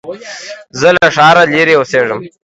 زه له ښاره لرې اوسېږم.